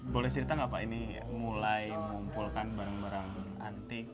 boleh cerita nggak pak ini mulai mengumpulkan barang barang antik